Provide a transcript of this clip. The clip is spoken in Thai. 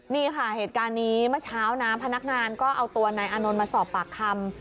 นี่ค่ะเหตุการณ์นี้เมื่อเช้านะพนักงานก็เอาตัวนายอานนท์มาสอบปากคำ